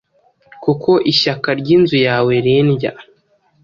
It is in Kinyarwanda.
Kuko ishyaka ry’inzu yawe rindya;